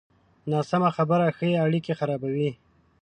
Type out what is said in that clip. ناسمه خبره ښې اړیکې خرابوي.